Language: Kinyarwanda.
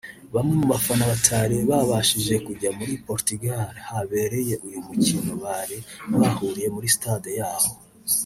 Bamwe mu bafana batari babashije kujya muri Portugal ahabereye uyu mukino bari bahuriye muri stade yabo